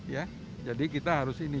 ya jadi kita harus ini